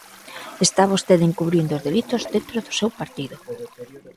Está vostede encubrindo os delitos dentro do seu partido.